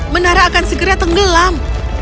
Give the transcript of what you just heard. menara akan segera tenggelam